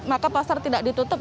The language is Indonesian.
maka pasar tidak ditutup